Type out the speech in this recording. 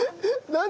何？